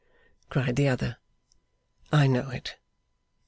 cried the other. 'I know it.